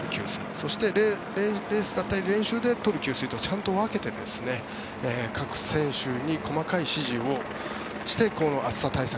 そして、レースだったり練習で取る給水とちゃんと分けて各選手に細かい指示をしてこの暑さ対策。